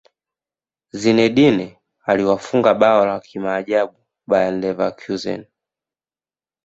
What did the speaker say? zidane aliwafunga bao la kimaajabu bayern leverkusen